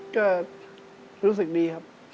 ก็รู้สึกดีครับ